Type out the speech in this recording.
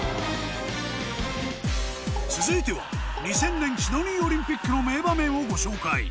続いては２０００年シドニーオリンピックの名場面をご紹介